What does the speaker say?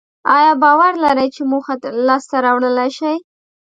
ایا باور لرئ چې موخه لاسته راوړلای شئ؟